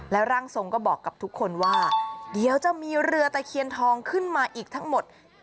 ร่างทรงก็บอกกับทุกคนว่าเดี๋ยวจะมีเรือตะเคียนทองขึ้นมาอีกทั้งหมด